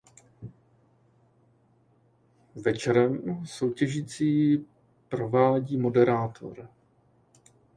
Večerem soutěžící provádí moderátor.